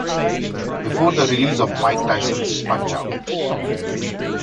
Before the release of Mike Tyson's Punch-Out!!